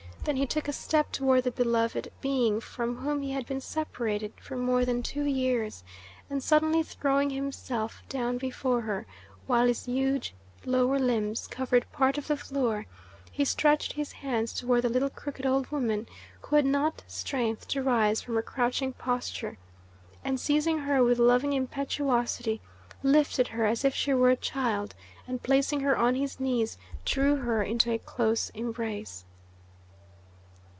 Then he took a step toward the beloved being from whom he had been separated more than two years, and suddenly throwing himself down before her, while his huge lower limbs covered part of the floor, he stretched his hands toward the little crooked old woman, who had not strength to rise from her crouching posture, and seizing her with loving impetuosity, lifted her as if she were a child, and placing her on his knees, drew her into a close embrace.